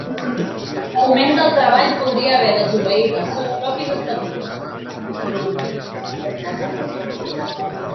Foment del Treball podria haver desobeït els seus propis estatuts